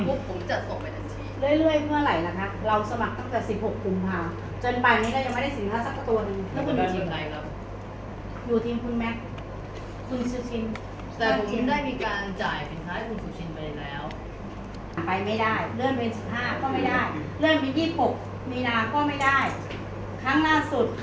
คือ๓วันเนี่ยเรื่องต้องมาที่ผมแล้วผมกดเน็ตกระปะเรียบร้อยปุ๊บแล้วผมก็คอนเติร์มมาด้วย